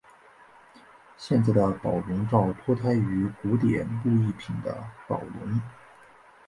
现在的宝龙罩脱胎于古典木艺品的宝笼。